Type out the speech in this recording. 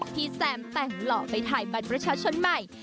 แซมแต่งหล่อไปถ่ายบัตรประชาชนใหม่